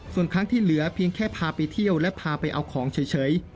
ส่วนครั้งที่เหลือเพียงแค่พาไปเที่ยวและพาไปเอาของเฉย